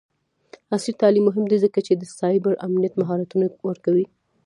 عصري تعلیم مهم دی ځکه چې د سایبر امنیت مهارتونه ورکوي.